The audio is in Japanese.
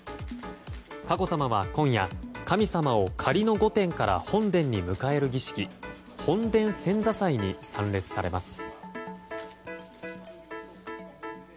佳子さまは今夜神様を仮の御殿から本殿に迎える儀式本殿遷座祭に参列されます。